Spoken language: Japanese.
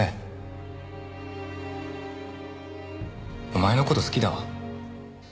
お前の事好きだわ。